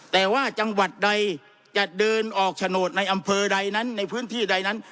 แต่ว่าจังหวัดใดจะเดินออกโฉนดในอำเภอใดนั้นในพื้นที่ใดนั้น